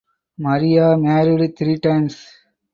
Maria married three times.